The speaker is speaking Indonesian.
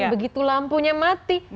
begitu lampunya mati